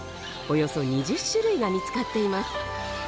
およそ２０種類が見つかっています。